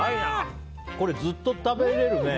これずっと食べれるね。